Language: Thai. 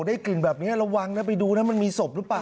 ได้กลิ่นแบบนี้ระวังนะไปดูนะมันมีศพหรือเปล่า